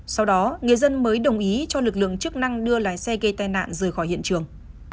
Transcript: sau đó người dân mới đồng ý cho lực lượng chức năng đưa lái xe gây tai nạn rời khỏi hiện trường